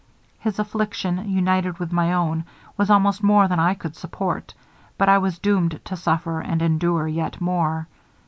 His affliction, united with my own, was almost more than I could support, but I was doomed to suffer, and endure yet more.